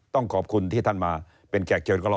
ต้องขอบคุณที่ท่านมาเป็นแก่เกียรติกรรม